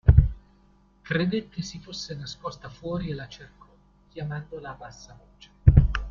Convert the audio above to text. Credette si fosse nascosta fuori e la cercò, chiamandola a bassa voce.